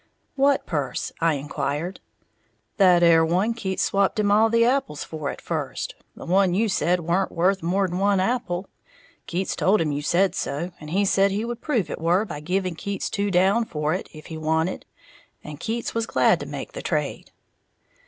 "What purse?" I inquired. "That 'ere one Keats swapped him all the apples for at first, the one you said weren't worth more'n one apple. Keats told him you said so, and he said he would prove it were by giving Keats two down for it, if he wanted; and Keats was glad to make the trade."